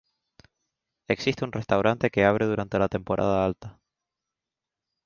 Existe un restaurante que abre durante la temporada alta.